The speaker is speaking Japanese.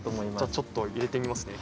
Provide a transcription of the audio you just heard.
ちょっと入れてみますね。